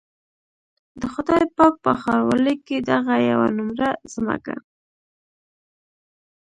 د خدای پاک په ښاروالۍ کې دغه يوه نومره ځمکه.